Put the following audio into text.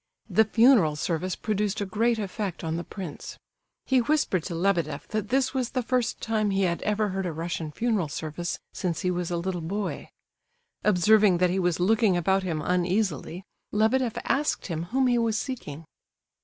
The funeral service produced a great effect on the prince. He whispered to Lebedeff that this was the first time he had ever heard a Russian funeral service since he was a little boy. Observing that he was looking about him uneasily, Lebedeff asked him whom he was seeking.